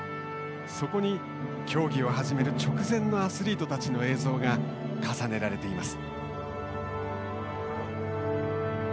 そこに、競技を始める直前のアスリートたちの映像が重ねられています。